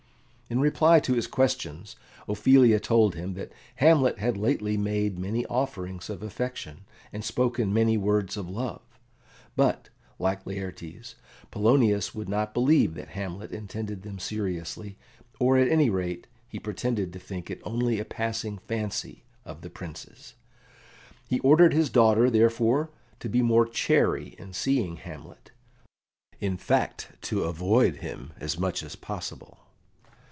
In reply to his questions, Ophelia told him that Hamlet had lately made her many offerings of affection, and spoken many words of love. But, like Laertes, Polonius would not believe that Hamlet intended them seriously, or, at any rate, he pretended to think it only a passing fancy of the Prince's. He ordered his daughter, therefore, to be more chary in seeing Hamlet in fact, to avoid him as much as possible.